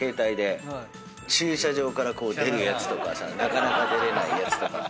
駐車場から出るやつとかさなかなか出れないやつとか。